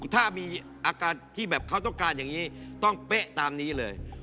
ถ้ามีอาการที่แบบเขาต้องการอย่างนี้ต้องเป๊ะตามนี้เลย